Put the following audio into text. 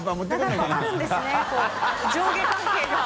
上下関係が。